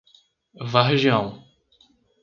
Vargeão